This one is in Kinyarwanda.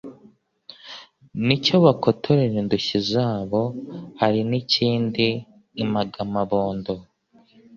N' icyo bakotorera indushyi zabo. Hari n' ikindi impagamabondo,